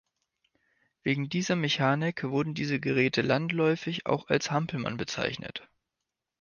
Wegen dieser Mechanik wurden diese Geräte landläufig auch als "Hampelmann" bezeichnet.